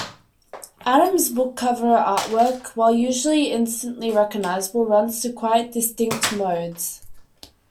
Adam's book cover artwork, while usually instantly recognizable, runs to quite distinct modes.